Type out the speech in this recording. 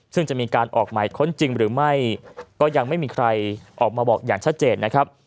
ซึ่งจะมีการออกหมายค้นจริงหรือไม่ก็ยังไม่มีใครออกมาบอกอย่างชัดเจนนะครับ